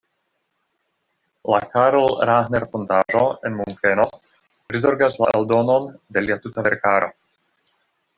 La Karl-Rahner-Fondaĵo en Munkeno prizorgas la eldonon de lia tuta verkaro.